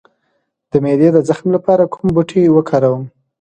د معدې د زخم لپاره کوم بوټی وکاروم؟